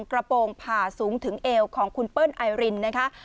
กระโปรงผ่าสูงถึงเอวของคุณเปิ้ลไอรินนะคะ